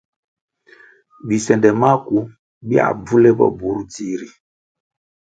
Bisende maku biā bvu le bo bur dzihri.